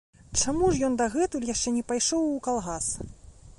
Чаму ж ён дагэтуль яшчэ не пайшоў у калгас?